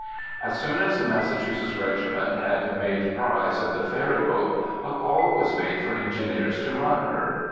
As soon as the Massachusetts Regiment had made prize of the ferry boat, a call was made for engineers to run her.